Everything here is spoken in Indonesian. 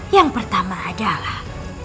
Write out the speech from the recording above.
yang pertama adalah